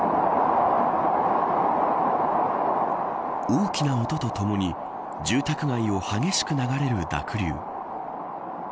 大きな音とともに住宅街を激しく流れる濁流。